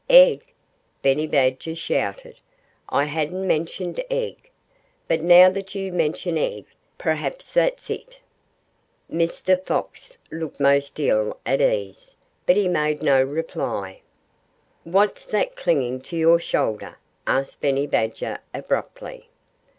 "Egg!" Benny Badger shouted. "I hadn't mentioned egg! But now that you mention egg, perhaps that's it." Mr. Fox looked most ill at ease. But he made no reply. "What's that clinging to your shoulder?" asked Benny Badger abruptly.